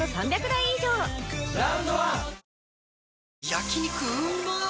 焼肉うまっ